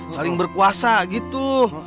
saling berkuasa gitu